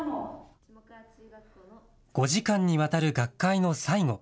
５時間にわたる学会の最後。